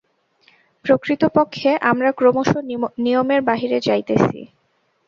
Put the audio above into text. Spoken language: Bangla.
প্রকৃতপক্ষে আমরা ক্রমশ নিয়মের বাহিরে যাইতেছি।